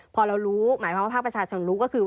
พอเรารู้หมายความว่าภาคประชาชนรู้ก็คือ